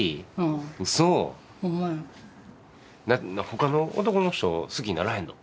ほかの男の人好きにならへんの？